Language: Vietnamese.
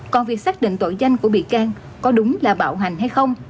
còn việc xác định tội danh của bị can có đúng là bạo hành hay không